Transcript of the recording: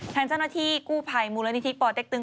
ทางเจ้าหน้าที่กู้ภัยมูลนิธิปอเต็กตึง